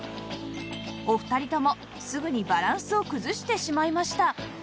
お二人ともすぐにバランスを崩してしまいました